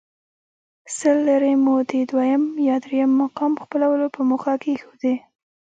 سل لیرې مو د دویم یا درېیم مقام خپلولو په موخه کېښودې.